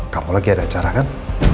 kamu lagi ada acara kan